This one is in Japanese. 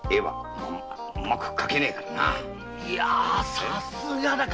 さすがだ頭。